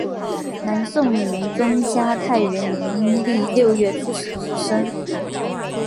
南宋宁宗嘉泰元年阴历六月初十日生。